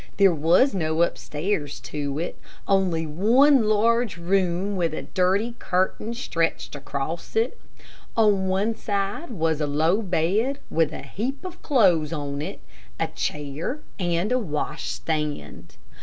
There was no upstairs to it only one large room with a dirty curtain stretched across it. On one side was a low bed with a heap of clothes on it, a chair and a wash stand.